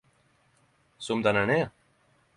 Som den ein er